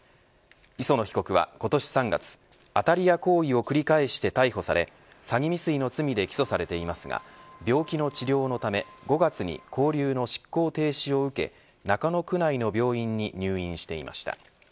磯野被告は、今年３月当たり屋行為を繰り返して逮捕され詐欺未遂の罪で起訴されていますが病気の治療のため５月に勾留の執行停止を受け中野区内の病院に入院していました。